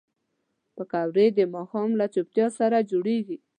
پکورې د ماښام له چوپتیا سره جوړېږي